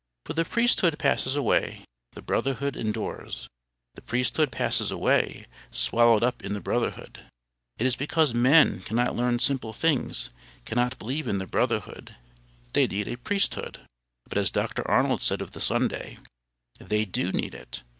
For the priesthood passes away, the brotherhood endures. The priesthood passes away, swallowed up in the brotherhood. It is because men cannot learn simple things, cannot believe in the brotherhood, that they need a priesthood. But as Dr Arnold said of the Sunday, "They DO need it."